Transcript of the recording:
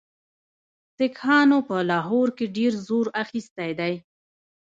سیکهانو په لاهور کې ډېر زور اخیستی دی.